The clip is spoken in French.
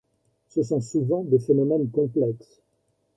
Ce sont souvent des phénomènes complexes.